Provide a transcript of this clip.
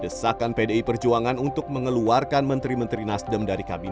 desakan pdi perjuangan untuk mengeluarkan menteri menteri nasdem dari kabinet